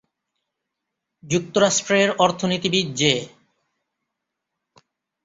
যুক্তরাষ্ট্রের অর্থনীতিবিদ জে।